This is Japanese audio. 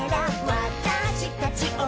「わたしたちを」